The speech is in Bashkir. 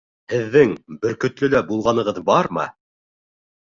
Һеҙҙең Бөркөтлөлә булғанығыҙ бармы?